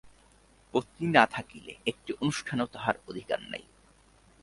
পত্নী না থাকিলে একটি অনুষ্ঠানেও তাহার অধিকার নাই।